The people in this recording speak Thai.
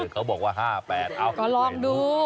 เขาบอกว่า๕๘เอาก็ลองดู